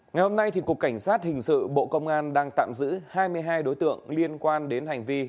ngày hôm nay cục cảnh sát hình sự bộ công an đang tạm giữ hai mươi hai đối tượng liên quan đến hành vi